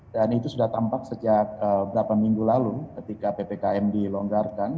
dan itu sudah tampak sejak beberapa minggu lalu ketika ppkm dilonggarkan